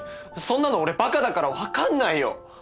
そんなの俺バカだから分かんないよ！